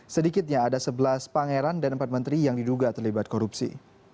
sedikitnya ada sebelas pangeran dan empat menteri yang diduga terlibat korupsi